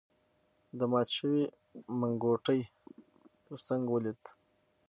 د مات شوی منګوټي تر څنګ ولید.